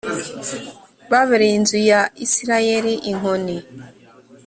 babereye inzu ya isirayeli inkoni